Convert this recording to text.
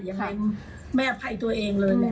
อภัยไม่อภัยตัวเองเลย